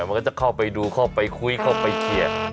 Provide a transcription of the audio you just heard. มันก็จะเข้าไปดูเข้าไปคุยเข้าไปเขียน